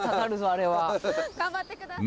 あれは。頑張ってください！